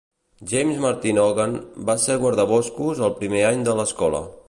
James Martin Hogan va ser guardaboscos el primer any de l'escola.